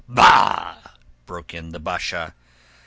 "Bah!" broke in the Basha.